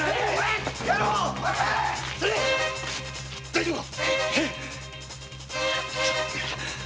大丈夫か？